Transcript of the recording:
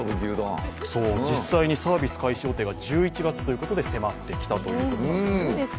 実際にサービス開始予定が１１月ということで迫ってきました。